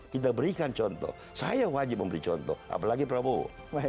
kita berikan contoh saya wajib memberi contoh apalagi prabowo